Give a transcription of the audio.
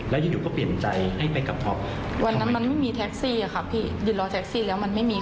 แล้วอยู่อยู่ก็เปลี่ยนใจให้ไปกับท็อปวันนั้นมันไม่มีแท็กซี่ค่ะพี่ยืนรอแท็กซี่แล้วมันไม่มี